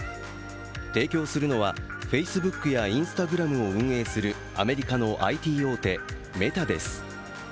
提供するのは、ＦａｃｅｂｏｏｋやＩｎｓｔａｇｒａｍを運営するアメリカのＩＴ大手、メタです。